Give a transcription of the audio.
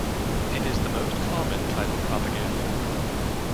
It is the most common type of propaganda.